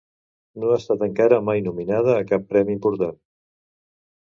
No ha estat encara mai nominada a cap premi important.